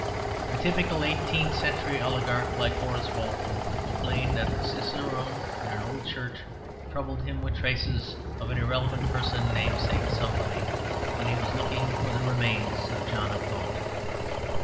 A typical eighteenth century oligarch like Horace Walpole could complain that the cicerone in an old church troubled him with traces of an irrelevant person named St. Somebody, when he was looking for the remains of John of Gaunt.